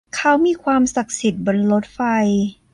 เขามีความศักดิ์สิทธิ์บนรถไฟ